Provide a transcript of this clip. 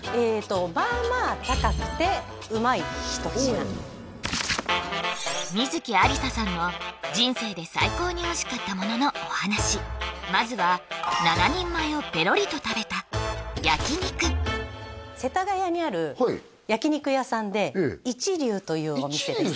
まあまあ高くてうまい一品観月ありささんの人生で最高においしかったもののお話まずは世田谷にある焼き肉屋さんで一龍というお店です一